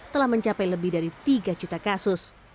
telah mencapai lebih dari tiga juta kasus